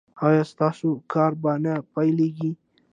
ایا ستاسو کار به نه پیلیږي؟